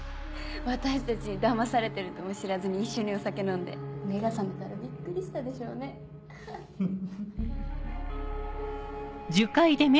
私たちに騙されてるとも知らずに一緒にお酒飲んで目が覚めたらびっくりしたでしょうねあっ